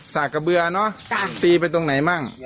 สากกระเบือเนอะตีไปตรงไหนมั่ง